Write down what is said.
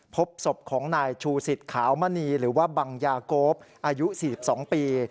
พบศพของนายชูศิษฐ์ขาวมะนีหรือว่าบังยากบอายุสี่สิบสองปี